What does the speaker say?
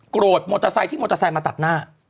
มอเตอร์ไซค์ที่มอเตอร์ไซค์มาตัดหน้า